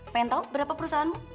pengen tau berapa perusahaanmu